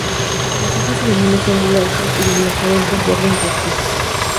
Las hojas juveniles son glaucas, y las adultas verde-grises.